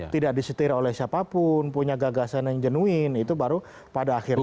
tidak disetir oleh siapapun punya gagasan yang jenuin itu baru pada akhirnya